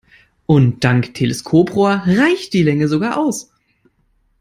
Und dank Teleskoprohr reicht die Länge sogar aus.